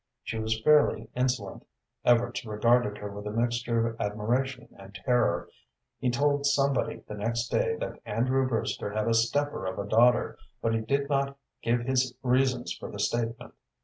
She was fairly insolent. Evarts regarded her with a mixture of admiration and terror. He told somebody the next day that Andrew Brewster had a stepper of a daughter, but he did not give his reasons for the statement.